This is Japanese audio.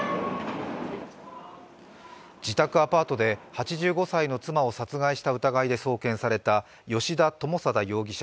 自宅アパートで８５歳の妻を殺害した疑いで送検された吉田友貞容疑者